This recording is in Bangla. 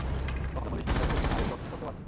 তখনতো বলিস নি শাড়ী পড়বি, আর একটু অপেক্ষা করতে পারতি।